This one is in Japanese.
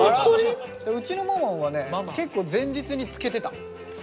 うちのママンはね結構前日につけてた。